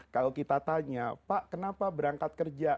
kalau kita tanya pak kenapa berangkat kerja